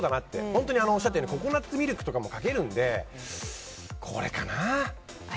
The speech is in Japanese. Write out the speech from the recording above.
本当におっしゃったようにココナツミルクとかもかけるのでこれかな。